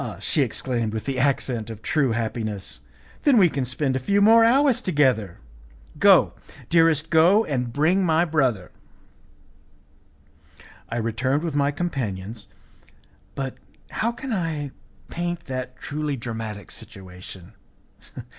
she exclaimed with the accent of true happiness, "then we can spend a few more hours together! Go, dearest, go and bring my brother." I returned with my companions, but how can I paint that truly dramatic situation?